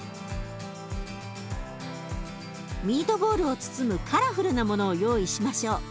ミートボールを包むカラフルなものを用意しましょう。